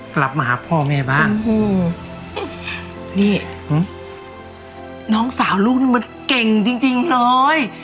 กลับมาหาพ่อแม่บ้างอืมนี่น้องสาวลูกนี่มันเก่งจริงจริงพลอย